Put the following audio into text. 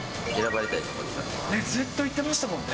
ずっと言ってましたものね。